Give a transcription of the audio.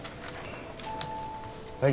はい。